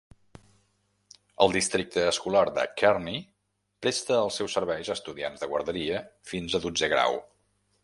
El districte escolar de Kearny presta els seus serveis a estudiants de guarderia fins a dotzè grau.